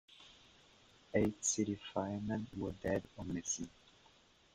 Eight city firemen were dead or missing.